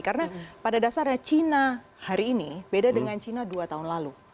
karena pada dasarnya cina hari ini beda dengan cina dua tahun lalu